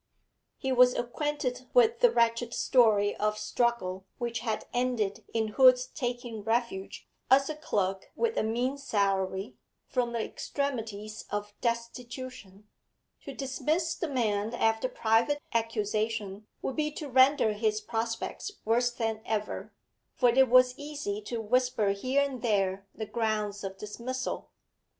He was acquainted with the wretched story of struggle which had ended in Hood's taking refuge, as a clerk with a mean salary, from the extremities of destitution. To dismiss the man after private accusation would be to render his prospects worse than ever, for it was easy to whisper here and there the grounds of dismissal.